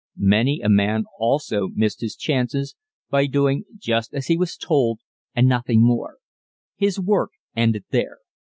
Many a man also missed his chances by doing just as he was told and nothing more. His work ended there.